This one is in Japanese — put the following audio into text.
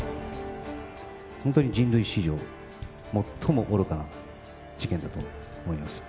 本当に人類史上最も愚かな事件だと思います。